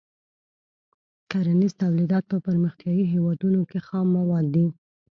کرنیز تولیدات په پرمختیايي هېوادونو کې خام مواد دي.